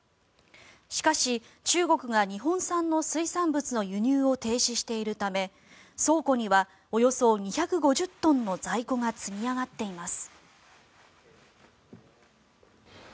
しかし、中国が日本産の水産物の輸入を停止しているため倉庫にはおよそ２５０トンの在庫が積み上がっています。